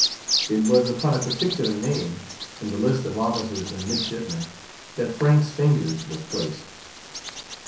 It was upon a particular name, in the list of officers and midshipmen, that Frank's fingers was placed.